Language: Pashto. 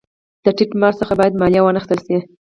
د ټیټ معاش څخه باید مالیه وانخیستل شي